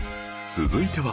続いては